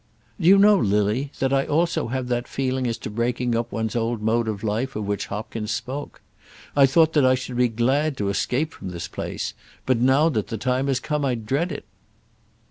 "Do you know, Lily, that I also have that feeling as to breaking up one's old mode of life of which Hopkins spoke. I thought that I should be glad to escape from this place, but now that the time has come I dread it."